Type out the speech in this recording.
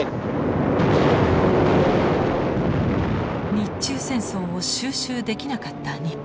日中戦争を収拾できなかった日本。